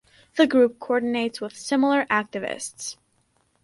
The group coordinates with similar activists.